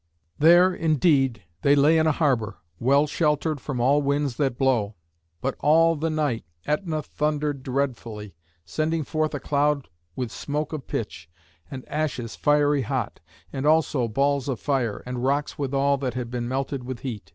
There, indeed, they lay in a harbour, well sheltered from all winds that blow, but all the night Ætna thundered dreadfully, sending forth a cloud with smoke of pitch, and ashes fiery hot, and also balls of fire, and rocks withal that had been melted with heat.